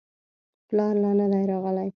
پلار لا نه دی راغلی.